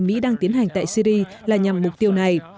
mỹ đang tiến hành tại syri là nhằm mục tiêu này